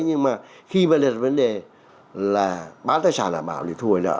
nhưng mà khi mà là vấn đề là bán tài sản là bảo thì thùi nợ